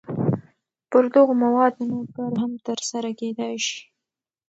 پر دغو موادو نور کار هم تر سره کېدای شي.